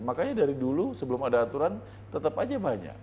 makanya dari dulu sebelum ada aturan tetap aja banyak